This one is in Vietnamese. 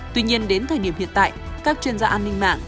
tuy nhiên đến thời điểm hiện tại các chuyên gia an ninh mạng